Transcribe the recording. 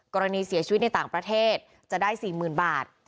กรณีเสียชีวิตในต่างประเทศจะได้๔๐๐๐บาท